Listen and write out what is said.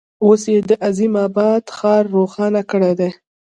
اوس یې د عظیم آباد ښار روښانه کړی دی.